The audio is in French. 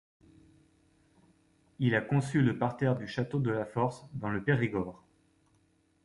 Il a conçu le parterre du château de La Force, dans le Périgord.